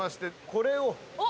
これを。